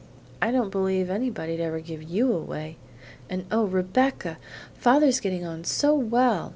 "I don't believe anybody'd ever give YOU away! And, oh! Rebecca, father's getting on so well!